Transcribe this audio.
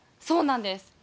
そうなんです。